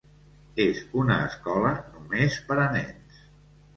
És una escola només per a nens.